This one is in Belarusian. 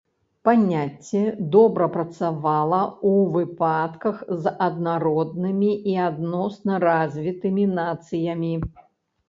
Паняцце добра працавала у выпадках з аднароднымі і адносна развітымі нацыямі.